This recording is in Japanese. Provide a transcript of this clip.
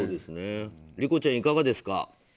理子ちゃん、いかがですか。